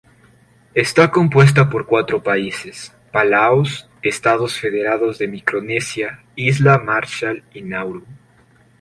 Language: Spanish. Está compuesta por cuatro paísesː Palaos, Estados Federados de Micronesia, Islas Marshall y Nauru.